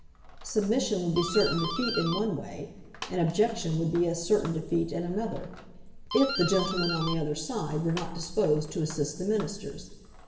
Submission would be certain defeat in one way, and objection would be as certain defeat in another, if the gentlemen on the other side were not disposed to assist the ministers.